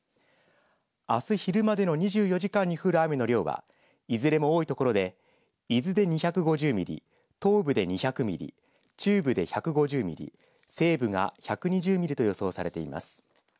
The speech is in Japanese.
あす昼までの２４時間に降る雨の量はいずれも多いところで伊豆で２５０ミリ東部で２００ミリ中部で１５０ミリ西部が１２０ミリと予想されています。